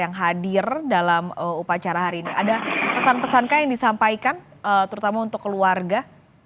yang hadir dalam upacara hari ini ada pesan pesankah yang disampaikan terutama untuk keluarga